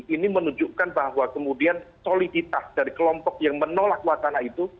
ini menunjukkan bahwa kemudian soliditas dari kelompok yang menolak wacana itu